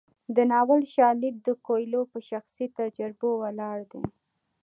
د ناول شالید د کویلیو په شخصي تجربو ولاړ دی.